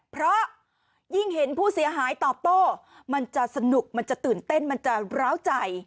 เพราะยิ่งเห็นผู้เสียหายตอบโต้มันจะสนุกมันจะตื่นเต้นมันจะร้าวใจ